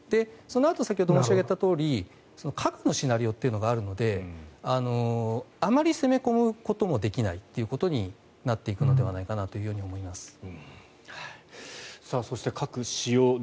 そのあと先ほど申し上げたとおり核のシナリオというのがあるのであまり攻め込むこともできないということになっていくのではないかなと思います。